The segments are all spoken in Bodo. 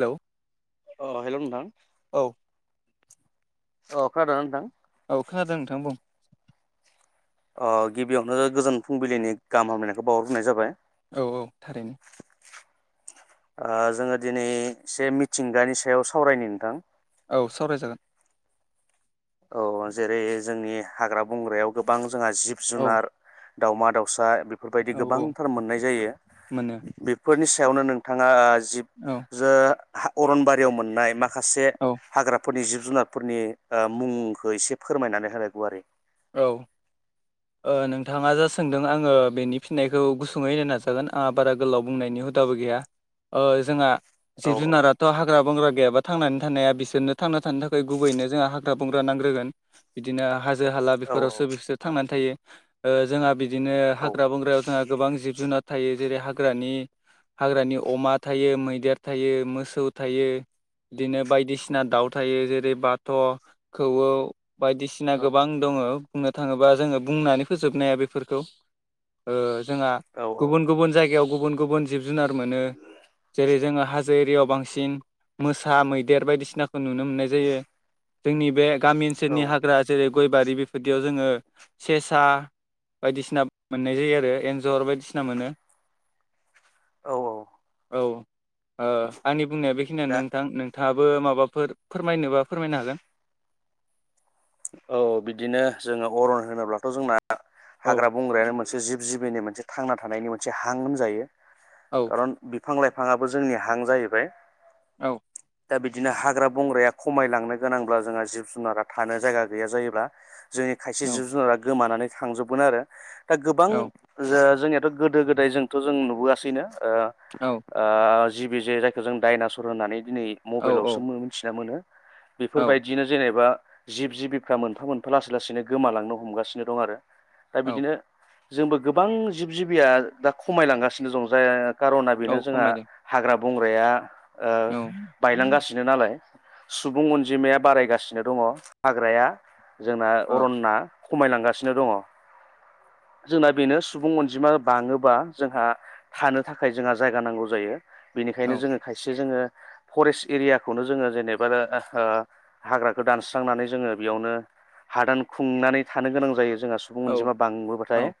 हेलौ अ हेलौ नोंथां औ अ खोनादोंना नोंथां? औ खोनादों नोंथां बुं ओ गिबियावनो गोजोन फुंबिलिनि गाहाम हामलायनायखौ बावहरग्रोनाय जाबाय। औ औ थारैनो ओ जोङो दिनै एसे मिथिंगानि सायाव सावरायनि नोंथां, औ सावरायजागोन। औ जेरै जोंनि हाग्रा बंग्रायाव गोबां जोंहा जिब औ जुनार दावमा दाउसा बेफोरबायदि औ औ गोबांथार मोननाय जायो मोनो बेफोरनि सायावनो नोंथाङा जिब औ जो अरनबारियाव मोननाय माखासे औ हाग्रा, फोरनि जिब जुनारफोरनि ओ मुंखौ एसे फोरमायनानै होलाय गुवारै औ। ओं नोंथाङा जा सोंदों आङो बेनि फिननायखौ गुसुङै होनो नाजागोन आंहा बारा गोलाव बुंनायनि हुदाबो गैया ओं जोंहा औ जिब जुनाराथ' हाग्रा -बंग्रा गैयाबा थांनानै थानाया बिसोरनो थांना थानो थाखाय गुबैनो जोंहा हाग्रा - बंग्रा नांग्रोगोन बिदिनो हाजो -हाला औ बेफोरावसो बिसोरो थांनानै थायो ओं जोंहा बि बिदिनो औ हाग्रा बंग्रायाव जोंहा गोबां जिब- जुनार थायो जेरै हाग्रानि हाग्रानि अमा थायो, मैदेर थायो, मोसौ थायो। बिदिनो बायदिसिना दाउ थायो जेरै बाथ' खौवौ बायदिसिना औ गोबां दङ बुंनो थाङोबा जोङो बुंनानै फोजोबनो हाया बेफोरखौ ओं जोंहा औ गुबुन गुबुन जायगायाव गुबुन गुबुन जिब - जुनार मोनो। जेरै जोङो हाजो एरियाव बांसिन मोसा, मैदेर बायदिसिनाखौ नुनो मोननाय जायो। जोंनि बे गामि औ ओनसोलनि हाग्रा जेरै गयबारि बेफोरदियाव जोङो सेसा बायदिसिना मोननाय जायो आरो एन्जर बायदिसिना मोनो। औ - औ। औ ओं आंनि बुंनाया बेखिनियानो दा नोंथां। नोंथाङाबो माबाफोर फोरमायनोबा फोरमायनो हागोन। औ - औ बिदिनो जोङो अरन होनोब्लाथ' जोंना औ हाग्रा- बंग्रायानो मोनसे जिब- जिबिनि मोनसे थांना थानायनि मोनसे हां होनजायो। औ खारन बिफां - लाइफाङाबो जोंनि हां जाहैबाय। औ। दा बिदिनो हाग्रा- बंग्राया खमायलांनो गोनांब्ला जोंहा जिब- जुनारा थानो जायगा गैया जायोब्ला जोंनि खायसे औ जिब -जुनारा गोमानानै थांजोबगोन आरो दा गोबां औ जे जोंनियाथ' गोदो- गोदाय जोंथ' जों नुबोआसैनो ओं औ ओं जिबि जे जायखौ जों डाइनासर होननानै दिनै मबाइलावसो औ मोनथिना मोनो। औ बेफोरबायदिनो जेनेबा जिब - जिबिफ्रा मोनफा मोनफा लासै लासैनो गोमालांनो हमगासिनो दं आरो दा औ बिदिनो जोंबो गोबां जिब -जिबिया दा खमायलांगासिनो दं जाय कार'ना बेनो औ जोंहा खमायदों हाग्रा बंग्राया ओं औ बायलांगासिनो नालाय। सुबुं अनजिमाया बारायगासिनो दङ हाग्राया जोंना अ अरन्ना। खमायलांगासिनो दङ। जोंना बेनो सुबुं अनजिमा बाङोबा जोंहा थानो थाखाय जोंहा जायगा नांगौ जायो। बेनिखायनो औ जोङो खायसे जोङो। फरेस्ट एरियाखौनो जोङो जेनेबा ओं हाग्राखौ दानस्रांनानै जोङो बेयावनो हादान खुंनानै थानो गोनां जायो। जोंना सुबुं औ अनजिमा बांबोबाथाय औ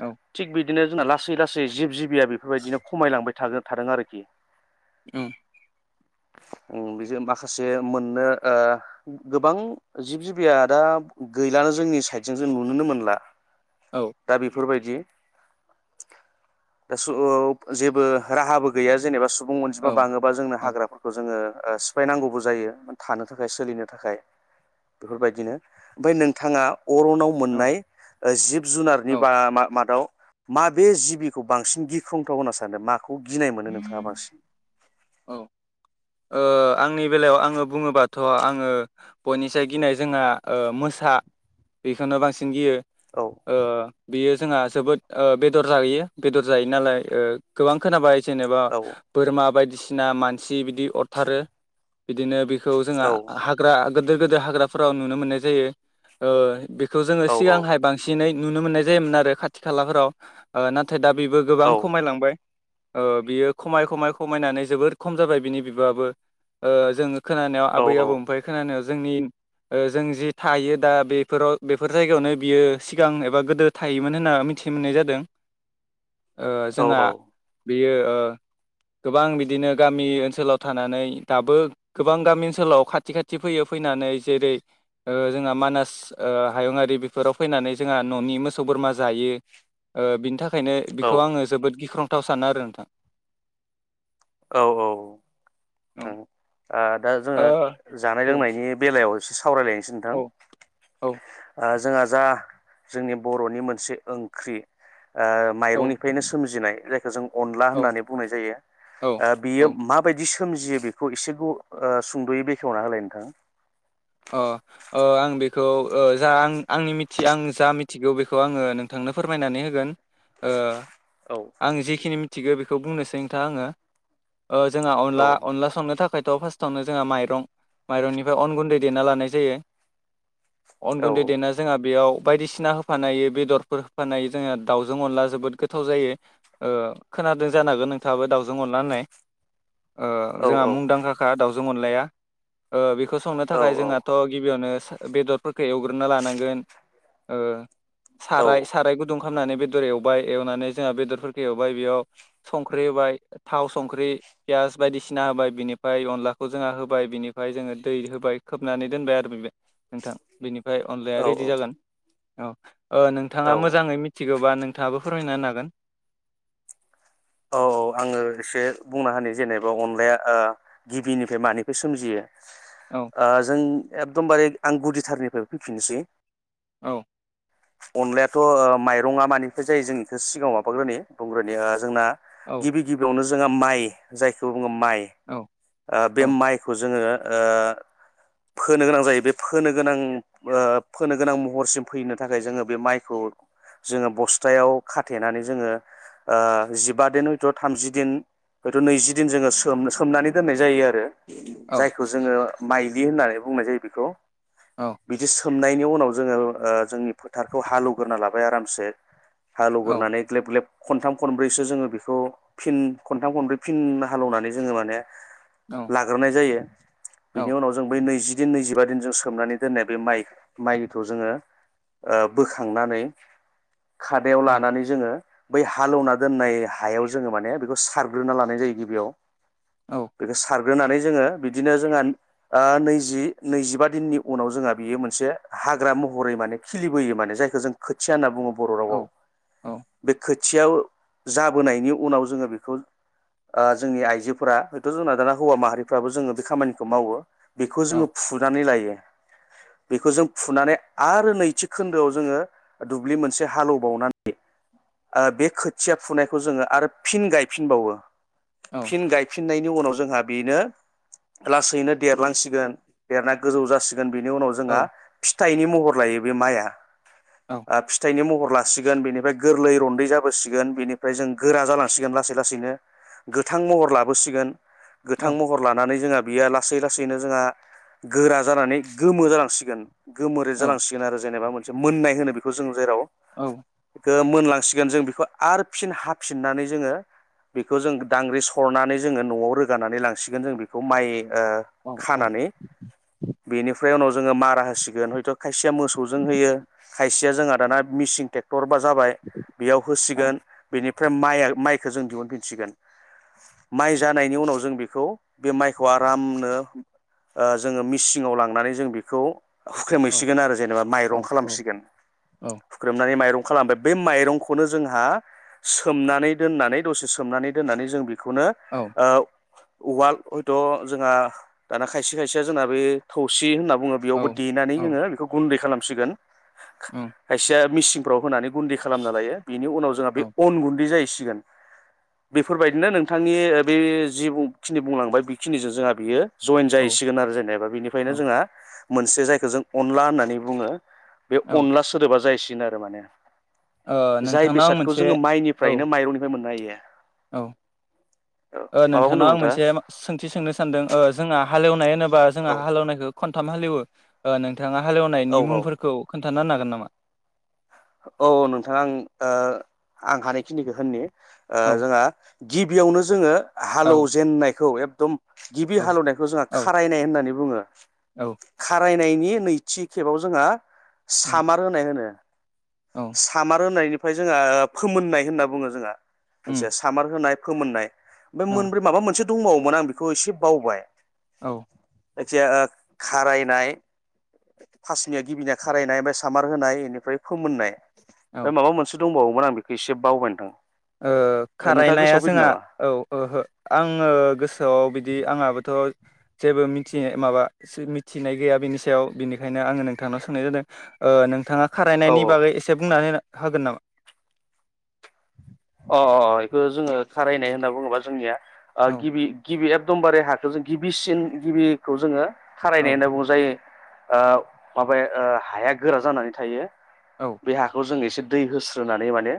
औ थिग बिदिनो जोंना लासै लासै जिब जिबि या बेफोरबायदिनो खमायलांबाय थागोन थादों आरोखि। ओम [unintelligible] ओं बिजों माखासे मोननो ओं गोबां जिब - जिबिया दा गै गैलानो जोंनि साइदजों जों नुनोनो मोनला औ दा बेफोरबायदि दि दा समाव जेबो राहाबो गैया जेनेबा सुबुं सुबुं औ अनजिमा बाङोबा जोंनो औ हाग्राफोरखौ जोङो ओं सिफायनांगौबो जायो थानो थाखाय सोलिनो थाखाय। बेफोरबायदिनो ओमफ्राय नोंथाङा अरनाव औ मोननाय जिब- जुनारनि औ बा मा मादाव मा बे जिबिखौ बांसिन गिख्रंथाव होनना सानो मा माखौ गिनाय मोनो नोंथाङा बांसिन? औ। ओं आंनि बेलायाव आङो बुङोबाथ' आङो बयनिसाय गिनाय जोंहा मोसा बेखौनो बांसिन गियो औ बियो जोंहा जोबोद बेदर जाहैयो बेदर जायो नालाय गोबां खोनाबाय जेनेबा बोरमा बायदिसिना मानसि बिदि अरथारो बिदिनो जोंहा ह्रा गेदिर गोेदेर हाग्राफोराव नुनो मोननाय जायो बेखौ जोङो सिगांहाय बांसिनै नुनो मोननाय जायोमोन आरो खाथि खालाफोराव नाथाय नाथाय दा बेबो गोबां औ-औ-औ-औ-औ-औ-औ-औ-औ-औ-औ खमायलांबाय बियो खमाय खमाय खमायनानै जोबोद खम जाबाय बिनि बिबां बाबो जोङो खोनानायाव आबै आबौनिफ्राय खोनानायाव जोंनि जों जि थायो दा बेफोराव बेफोर जायगायावनो बियो सिगां एबा गोदो थायोमोन होनना मिथि मिथि मोननाय जादों [inaudible] जोंहा बेयो गोबां बिदिनो गामि ओनसोलाव' ानानै दाबो गोबां गामि ओनसोलाव खाथि खाथि फैयो फैनानै जेरै जों मानास हायुंङआारि बेफोराव फैनानै जोंहा न'नि मोसौ बोरमा जायो बिनि थाखाय बेनिंखायनो बेखौ आङो जोबोद गिख्रंथाव सानो आरो नोंथां औ औ दा जोङो जानाय ओ लोंनायनि बेलायाव एसे सावरायलायनोसै नोंथां औ औ जोंहा जा जोंनि बर'नि मोनसे ओंख्रि औ माइरंनिफ्रायनो सोमजिनाय जायखौ जों अनला औ होननानै बुंनाय जायो औ बियो म बायदि सोमजियो बेखौ एसे सुंद'यै बेखेवना होलाय नोंथांा अ आं बेखौ जा आं आंनिथि आं जा मिथिगौ बेखौ आङो नोंथां आंनो फोरमायनानै होगोन ओ औ आं जिखिनि मिथिगौ बेखौ बुंनोसै नोंथा आङो जोंहा औ अनला अनला संनो थाखायथ' फार्स्टावनो जोंहा माइं माइरंनिफ्राय अन गुन्दै देना लानाय जायो अन औ गुन्दै देना जोंहा बेयाव बायदिसिना होफानायायो बेदरफोर होफानाय जोंहा दाउजों अनला जोबोद गोथाव जायो ओ खादों जानागोन नोंथाङाबो दाउजों अननानै होननाय [inaudible] औ जोंहा मुंदांखााखखा दाउजों अनलाया बेखौ बे औ थाखाय जोंहाथ' गिबियावनो बेदरफोरखौ एवग्रोनो लानांगोन ओ साराय साराय गुदुं खालामनानै बेदर एवबाय एवनानै जोंहा बेदरफोरखौ एवबाय बेयाव संख्रि होबाय थाव संख्रि पियास बायदिसिना होबाय बिनिफ्राय अनलाखौ जोंहा होबाय बिनिफ्राय जोङो दै होबाय खोबनानै दोनबाय आरो बे नोंथां बेनिफ्राय अनलाया औ रेडि जागोन औ नोंथाङा औ मोजाङै मिथिगौबा नोंथाङाबो फरायनो हागोन औ औ आङो एसे बुंना हो जेनेबा अनलाया गिबिनिफ्राय मानिफ्राय सोमजियो औ जों एकदमबारे आं गुदिथारनिफ्रायबो फैफिननोसै औ अनलायाथ' माइरङा मानिफ्राय जायो जोंनिखौ सिगाङाव माबाग्रोनि दंग्रोनि जोंना गिबि गिबियावनो जोंहा माइ जायखौ बुङो माइ औ बे औ माइखौ जोङो फोनो गोनां जायो बे फोनो गोनां फोनो गोनां महरसिम फैनो थाखाय जोङो बे माइखौ जोङो बस्थायाव खाथेनानै जोङो जिबा दिन हयथ' थामजि दिन हयथ' नैजिदिन जोङो सोम सोमनानै दोननाय जायो आरो औ जायखौ जोङो माइलि होननानै बुंनाय जायो बेखौ औ बिदि सोमनायनि उनाव जोङो जोंनि फोथारखौ हालौवग्रा लाबाय आरामसे हालुग औ ननानै ग्लेब ग्लेब खनथाम खनब्रैसो जोङो बेखौ फि खनथाम खनब्रै फिन हालेवनानै जोङो माने औ लाग्रोनाय जायो औ बिनि उनाव जों बै नैजि बिदिन नैजिबा दिन जों सोमनानै दोननाय बे माइ माइखौ जोङो बोखांनानै खादायाव औ लानानै जोङो बै हालौना दोननाय हायाव जोङो माने बेखौ सारग्रोना लानाय जायो गिबियाव बेखौ सार ग्रोनानै जोङो बिदिनो जोंहा नैजि-नैजिबा दिननि उनाव जोंहा बियो मोनसे हाग्रा महरै माने खिलिबोयो माने जायखौ जों खोथिया होनना बुङो बर' औ रावाव बे खोथियाव जाबोनायनि उनाव जोङो बेखौ ओ जोंनि आइजोफोरा हयथ' जोंना दाना हौवा माहारिफ्राबो जोङो बे खामानिखौ मावो बेखौ जोङो औ फुनानै लायो बेखौ जों फुनानै आरो नै थि खोन्दोआव जोङो दुब्लि मोनसे हालेवबावनानै बे खोथिया फुनायखौ जोङो आरो फिन गायफिनबावो औ औ फिन गायफिन फिननायनि उनाव जोंहा बेनो लासैनो देरलांसिगोन देरना गोजौ जासिगोन बेनि उनाव जोंहा फिथाइनि महर लायो बे माइआ फिथाइनि महर लासिगोन बेनिफ्राय गोरलै रन्दै जाबोसिगोन बेनिफ्राय जों गोरा जालांसिगोन लासै लासैनो गोथां महर लाबोसिगोन गोथां महर लानानै जोंहा बियो लासै लासैनो जोंहा गोरा जानानै गोमो जालांसिगोन गोमोरेद जालांसिगोन आरो जेनेबा मोनसे मोननाय होनो बेखौ जों जेराव औ मोनलांसिगोन जों बेखौ आरो फिन हाफिननानै जोङो बेखौ जों दांग्रि सरनानै जोङो न'आव रोगानानै ला ओ खानानै बेनिफ्राय उनाव जोङो मारा होसिगोन हयथ' खाय खायसेया मोसौजों होयो खायसेया जोंहा दाना मेसिनजों क्टरबा जाबाय बेयाव होसिगोन बेनिफ्राय माइ माइखौ जों दिहुनफिनसिगोन माइ जानायनि उनाव जों बेखौ बे माइखौ आरामनो जोङो मिसिङाव लांनानै जों बेखौ हुसिगोन आरो जेनेबा माइरं औ खालामसिगोन औ फुख्रेमनानै माइरं खालाम दों बे माइरंखौनो जोंहा सोमनानै दोननानै दसे सोमनानै दोननानै जों बेखौनो औ ओ उवाल हयथ' जोंहा दाना खायसे खायसेया जोंना बे थौसि होनना औ बेयावबो औ देनानै जोङो बेखौ गुन्दै खालामसिगोन औ खाइसेया मिसिनफ्राव होनानै गुन्दै खालामना लायो बिनि उनाव जोंहा बे औ अन गुन्दै जाहैसिगोन बेफोरबायदिनो नोंथांनि बे जिखिनि बुंलांबाय बेखिनिजों जोंहा बियो जयेन औ जाहैसिगोन आरो जेनेबा बिनिफ्रायनो जोंहा मोनसे जायखौ जों अनला होननानै बुङो बे औ अनला सोदोबा जाहैसिगोन आरो माने ओ जाय नोंथांनाव आं बेसादखौ मोनसे जोङो औ माइनिफ्रायनो माइरंनिफ्राय मोननो हायो औ माबा नोंथांनाव बुंदोंमोन आं नोंथाङा मोनसे सोंथि सोंनो सानदों ओ जोंहा हालेवनाय होनोबा जोंहा औ हालेवनायखौ खनथाम हालेवो नोंथाङा औ हालेवनायनि औ मुंफोरखौ खोन्थानो हागोन नामा औ नोंथाङा दा आं हानायखिनिखौ होननि ओ औ जोंहा गिबियावनो जोङो औ हालौजेननायखौ एकदम गिबि औ हालेवनायखौ जो औ खारायनाय होननानै औ नायनि नैथि खेब जोंहा सामार होनाय होनो औ सामार होनायनिफ्राय जोंहा फोमोननाय होनना बुङो जोंहा उम मोनसे सामार होनाय फोमोननाय ओमफ्राय औ मोनब्रै माबा मोनसे दंबावोमोन आं बेखौ एसे बावबाय औ जायखिया खारायनाय फासनिया गिबिनिया खारायनाय ओमफ्राय सामार होनाय ओमफ्राय फोमोननाय औ ओमफ्राय माबा मोनसे दंबावोमोन आं बेखौ एसे बावबायनो नोंथां ओ नोंथाङा खारायनाया गोसोआव फैदों जोंहा नामा औ ओहो आङो गोसोआव बिदि आंहाबोथ' जेबो मिथिनाय माबा मिथिनाय गैया बेनि सायाव बेनिखायनो आंङो नोंथांनाव सोंनाय जादों ओ नोंथांङा औ खारायनायनि बागै एसे बुंनानै होगोन नामा अ अ बेखौ जोङो खारायनाय होनना बुङोबा जोंनिया औ गिबि गिबि एकदमबारे हाखौ जों गिबिसिन गिबिखौ जोङो खारायनाय औ होनना बुंजायो ओ माबाया ओ हाया गोरा जानानै थायो औ बे हाखौ जों एसे दै होस्रोनानै माने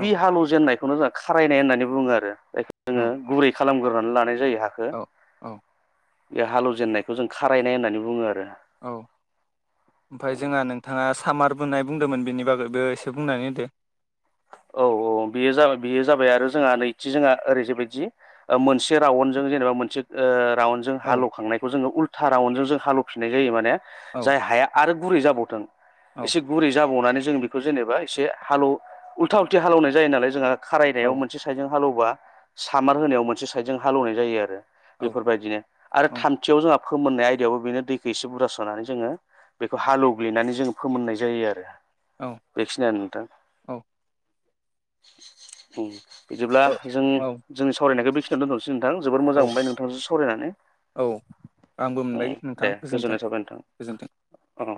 औ हालौजेननायखौनो जोंहा खारायनाय होननानै बुङो आरो। जायखौ जोङो गुरै खालामगोग्रनानै लानाय जायो। हाखौ औ औ। बे हाल एवजेननायखौ जों खारायनाय होननानै बुङो आरो। औ ओमफ्राय जोंहा नोंथांङा सामार बोननाय बुंदोंमोन बेनि बागैबो एसे बुंनानै होदो। [inaudible] औ औ बेयो जाबाय बेयो जाबाय आरो जोंहा नैथि जोंहा ओरै बायदि मोनसे रावन जों जेनेबा मानसे ओ रावनजों औ हालवखांनायखौ जोङो उल्था रावन जों हाल एवफिनाय जायो माने औ जाय हाया आरो गुरै जाबावथों औ एसे गुरै जाबावनानै जों बेखौ जेनेबा एसे हालौ उल्था उल्थि हालेवनाय जायो नालाय जोंहा खारायनायाव औ मोनसे साइदजों हाल एवबा सामार होनायाव मोनसे साइद जों हालेवनाय जायो आरो औ बेफोरबायदिनो आरो औ थामथियाव जों फोमोननाय आयदायावबो बेनो दैखौ एसे बुरजा सोनानै जोङो बेखौ हालौ एवग्लिनानै जोङो फोमोननाय जायो आरो औ बेखिनियानो नोंथां। उम। बिदिब्ला जों औ जोंनि सावरायनायखौ बेखिनियाव दोनथनोसै नोंथां जोबोर औ मोजां मोनबाय नोंथांजोंसो सरायनानै। औ आंबो मोनबाय नोंथां गोजोनथों गोजोननाय थाबाय नोंथां गोजोनथों। औ